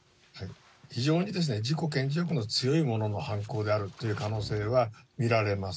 非常に自己顕示欲の強い者の犯行であるという可能性は見られます。